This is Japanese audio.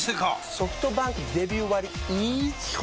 ソフトバンクデビュー割イズ基本